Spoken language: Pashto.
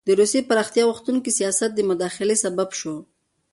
د روسیې پراختیا غوښتونکي سیاست د مداخلې سبب شو.